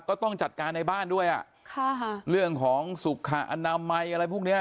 ก็ต้องจัดการในบ้านด้วยอ่ะค่ะเรื่องของสุขอนามัยอะไรพวกเนี้ย